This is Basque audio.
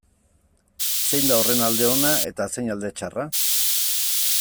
Zein da horren alde ona eta zein alde txarra?